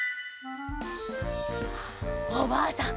おばあさん